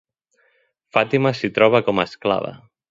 Fàtima s'hi troba com a esclava.